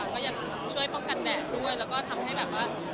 แล้วก็กลับไปลองใช้ด้วย